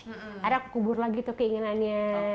akhirnya aku kubur lagi tuh keinginannya